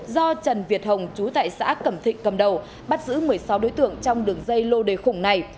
do trần việt hồng chú tại xã cẩm thịnh cầm đầu bắt giữ một mươi sáu đối tượng trong đường dây lô đề khủng này